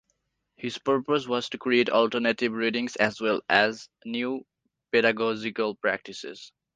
His purpose was to create alternative readings as well as new pedagogical practices.